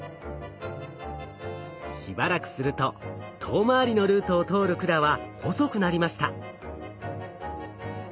しばらくすると遠回りのルートを通る管は細くなりました。